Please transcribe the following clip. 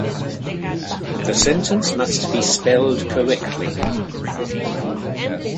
The sentence must be spelled correctly.